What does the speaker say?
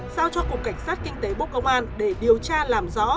giao cho cục cảnh sát kinh tế bốc công an để điều tra làm rõ